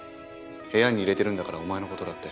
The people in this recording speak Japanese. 部屋に入れてるんだからお前の事だって。